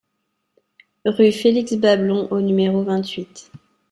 Rue Félix Bablon au numéro vingt-huit